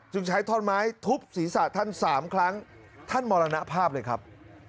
ใช้ท่อนไม้ทุบศีรษะท่าน๓ครั้งท่านมรณภาพเลยครับ